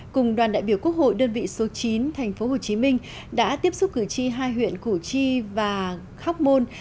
cùng đoàn đại biểu quốc hội đơn vị số chín tp hcm đã tiếp xúc cử tri hai huyện củ chi và khóc môn